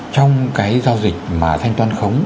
trong cái giao dịch mà thanh toán khống